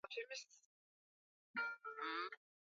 Msalabani pa Mwokozi.